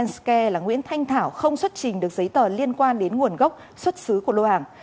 công ty adn scare là nguyễn thanh thảo không xuất trình được giấy tờ liên quan đến nguồn gốc xuất xứ của lô hàng